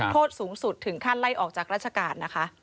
โทษสูงสุดถึงขั้นไล่ออกจากราชการนะคะ